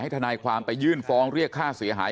ทนายความไปยื่นฟ้องเรียกค่าเสียหาย